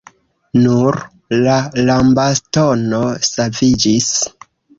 Nur la lambastono saviĝis.